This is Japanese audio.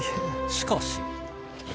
しかし